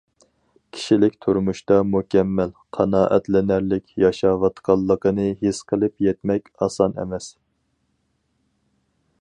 كىشىلىك تۇرمۇشتا مۇكەممەل، قانائەتلىنەرلىك ياشاۋاتقانلىقىنى ھېس قىلىپ يەتمەك ئاسان ئەمەس.